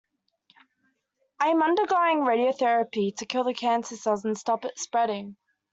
I am undergoing radiotherapy to kill the cancer cells and stop it spreading.